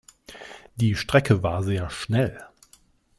Die Strecke war sehr schnell.